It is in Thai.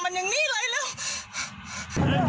มันยังนี่เลย